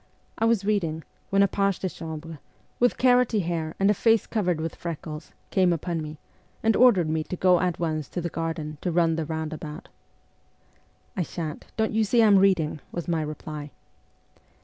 I was reading, when a page de chambre, with carroty hair and a face covered with freckles, came upon me, and ordered me to go at once to the garden to run the roundabout. ' I sha'n't ; don't you see I am reading,' was my reply.